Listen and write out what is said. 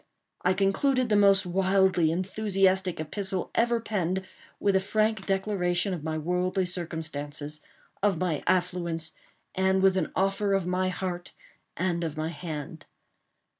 I concluded the most wildly enthusiastic epistle ever penned, with a frank declaration of my worldly circumstances—of my affluence—and with an offer of my heart and of my hand.